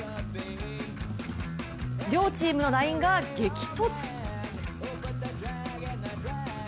両チームのラインが激突！